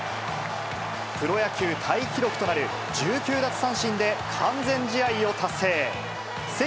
プロ野球タイ記録となる１９奪三振で完全試合を達成。